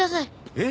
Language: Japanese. えっ？